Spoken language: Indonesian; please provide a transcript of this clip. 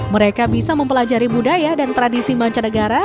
mereka bisa mempelajari budaya dan tradisi manca negara